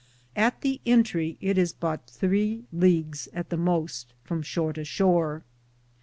At the entrie it is butt 3 Leages at the moste from shore to shore.